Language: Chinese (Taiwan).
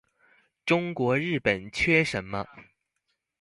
中國日本缺什麼